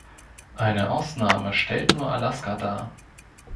Eine Ausnahme stellt nur Alaska dar.